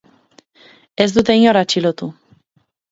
Ez dute inor atxilotu.